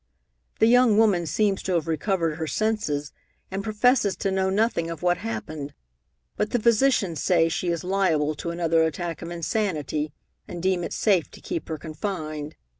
The young woman seems to have recovered her senses, and professes to know nothing of what happened, but the physicians say she is liable to another attack of insanity, and deem it safe to keep her confined.